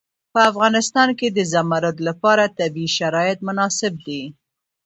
په افغانستان کې د زمرد لپاره طبیعي شرایط مناسب دي.